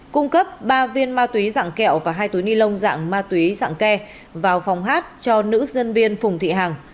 cung cấp ba viên ma túy dạng kẹo và hai túi ni lông dạng ma túy dạng ke vào phòng hát cho nữ dân viên phùng thị hằng